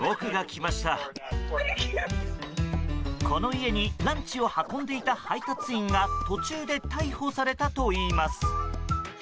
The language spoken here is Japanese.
この家にランチを運んでいた配達員が途中で逮捕されたといいます。